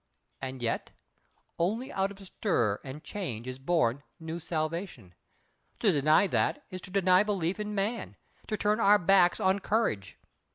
And yet—only out of stir and change is born new salvation. To deny that is to deny belief in man, to turn our backs on courage!